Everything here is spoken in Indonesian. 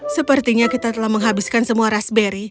sepertinya kita telah menghabiskan semua raspberry